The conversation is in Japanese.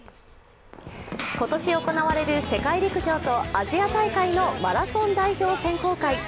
今年行われる世界陸上とアジア大会のマラソン代表選考会。